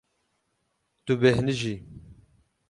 Tu bêhnijî.